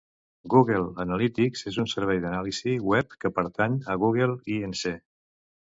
Google Analytics és un servei d'anàlisi web que pertany a Google, Inc.